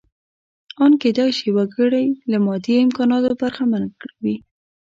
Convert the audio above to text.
ان کېدای شي وګړی له مادي امکاناتو برخمن وي.